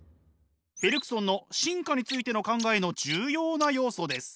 ベルクソンの進化についての考えの重要な要素です。